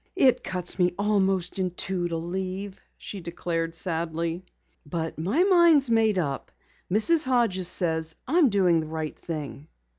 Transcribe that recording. "It cuts me almost in two to leave," she declared sadly, "but my mind's made up. Mrs. Hodges says I am doing the right thing."